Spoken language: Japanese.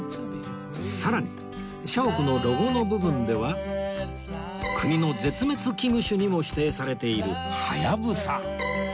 さらに社屋のロゴの部分では国の絶滅危惧種にも指定されているハヤブサ